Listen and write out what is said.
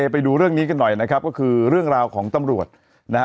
ไปดูเรื่องนี้กันหน่อยนะครับก็คือเรื่องราวของตำรวจนะฮะ